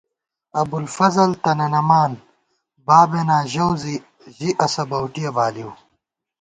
ابُوالفضل تنَنَمان، بابېناں ژَؤ زِی، ژِی اسہ بَؤٹِیَہ بالِؤ